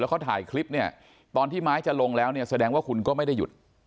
แล้วเขาถ่ายคลิปตอนที่ไม้จะลงแล้วแสดงว่าคุณก็ไม่ได้หยุด